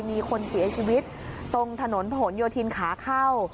มีคนเสียชีวิตตรงถนนผนโยธินขาเข้า